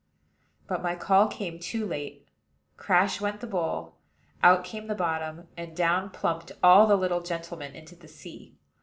But my call came too late: crash went the bowl, out came the bottom, and down plumped all the little gentlemen into the sea.